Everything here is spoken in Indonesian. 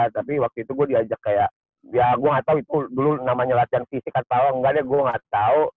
tapi waktu itu gue diajak kayak ya gue gak tau itu dulu namanya latihan fisik atau apa enggak deh gue gak tau